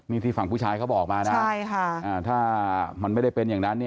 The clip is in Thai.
นี่ที่ฝั่งผู้ชายเขาบอกมานะถ้ามันไม่ได้เป็นอย่างนั้น